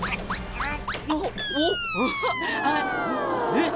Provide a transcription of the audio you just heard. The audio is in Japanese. えっ？